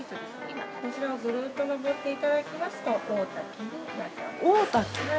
◆こちらをぐるっと登っていただきますと、大滝になっております。